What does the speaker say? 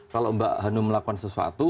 kalau mbak hanum melakukan sesuatu